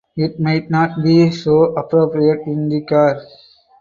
It might not be so appropriate in the car.